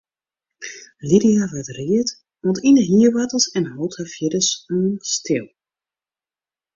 Lydia waard read oant yn de hierwoartels en hold har fierdersoan stil.